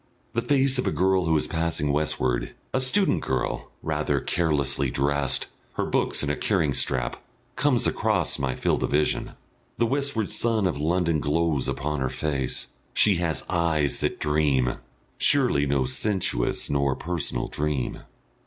The face of a girl who is passing westward, a student girl, rather carelessly dressed, her books in a carrying strap, comes across my field of vision. The westward sun of London glows upon her face. She has eyes that dream, surely no sensuous nor personal dream.